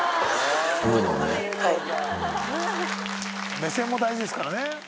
目線も大事ですからね。